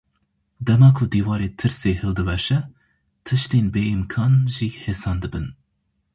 Dema ku dîwarê tirsê hildiweşe, tiştên bêîmkan jî hêsan dibin.